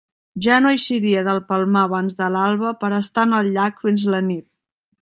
Ja no eixiria del Palmar abans de l'alba per a estar en el llac fins a la nit.